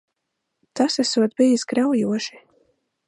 Tas esot bijis graujoši.